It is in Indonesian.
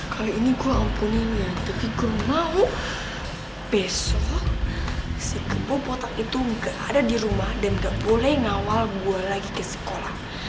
kali ini gue ampunin ya tapi gue mau besok si kebo potak itu gak ada dirumah dan gak boleh ngawal gue lagi ke sekolah